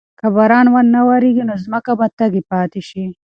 که باران ونه وریږي نو ځمکه به تږې پاتې شي.